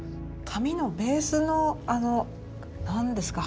紙のベースのあの何ですか花の模様？